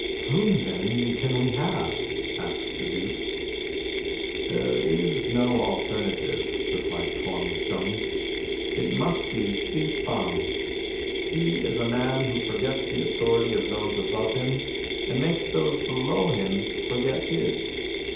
" Whom then can we have ?" asked the Duke. "There is no alternative," replied Kuan Chung ;" it must be Hsi P'eng. He is a man who forgets the authority of those above him, and makes those below him forget his.